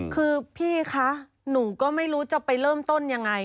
คือพี่คะหนูก็ไม่รู้จะไปเริ่มต้นยังไง